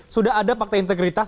sudah ada fakta integritas